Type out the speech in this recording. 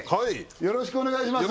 よろしくお願いします